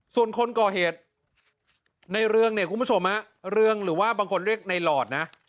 ส่วนคนก่อเหตุในเรื่องเนี่ยคุณผู้ชมเรื่องหรือว่าบางคนเรียกในหลอดนะ